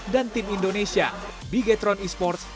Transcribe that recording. dan tim indonesia bigetron esports